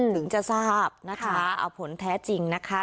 ถึงจะทราบนะคะเอาผลแท้จริงนะคะ